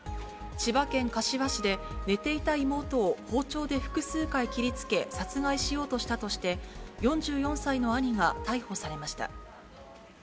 千葉県柏市で、寝ていた妹を包丁で複数回切りつけ、殺害しようとしたとして、４４歳の兄が逮捕されました。